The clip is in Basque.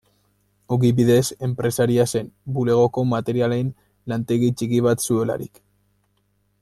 Ogibidez enpresaria zen, bulegoko materialaren lantegi txiki bat zuelarik.